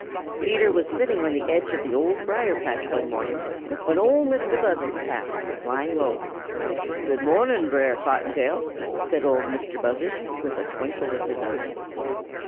Peter was sitting on the edge of the Old Briar patch one morning when Ol' Mistah Buzzard passed, flying low. "Good mo'ning, Brer Cottontail," said Ol' Mistah Buzzard, with a twinkle in his eye.